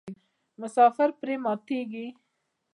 مسافر پرې ماتیږي.